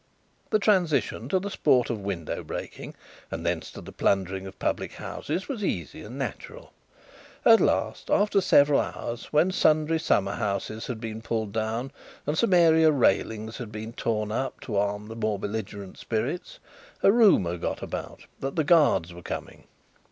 The transition to the sport of window breaking, and thence to the plundering of public houses, was easy and natural. At last, after several hours, when sundry summer houses had been pulled down, and some area railings had been torn up, to arm the more belligerent spirits, a rumour got about that the Guards were coming.